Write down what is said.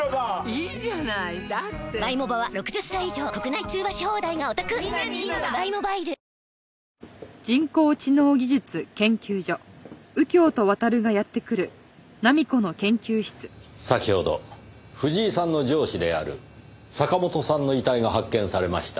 いいじゃないだって先ほど藤井さんの上司である坂本さんの遺体が発見されました。